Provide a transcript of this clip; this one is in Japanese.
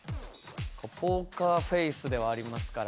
ポーカーフェイスではありますから。